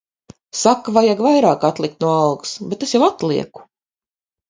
Saka, ka vajag vairāk atlikt no algas. Bet es jau atlieku.